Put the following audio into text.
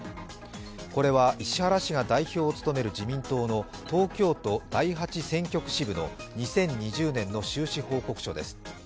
これは石原氏が代表を務める自民党の東京都第八選挙区支部の２０２０年の収支報告書です。